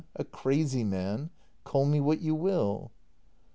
A crazy man! Call me what you will.